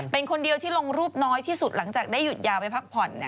เป็นคนเดียวที่ลงรูปน้อยที่สุดหลังจากได้หยุดยาวไปพักผ่อน